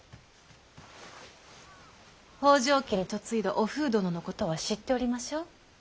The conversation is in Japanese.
北条家に嫁いだおふう殿のことは知っておりましょう？